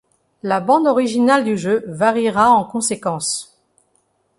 La bande originale du jeu variera en conséquence.